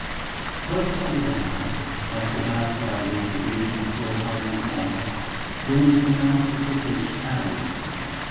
Close by the dial, like the dark way into regions where time is not, yawned the mouth of the pleached alley.